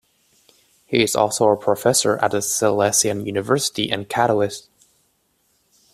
He is also a professor at the Silesian University in Katowice.